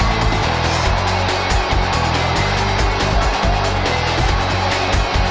เคี่ยง